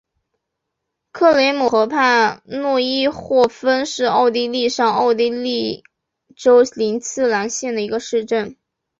克雷姆河畔诺伊霍芬是奥地利上奥地利州林茨兰县的一个市镇。